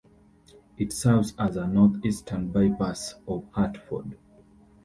It serves as a northeastern bypass of Hartford.